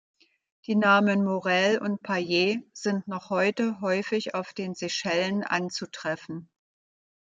Die Namen Morel und Payet sind noch heute häufig auf den Seychellen anzutreffen.